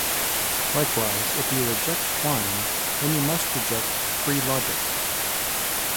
Likewise, if you reject Quine then you must reject free logic.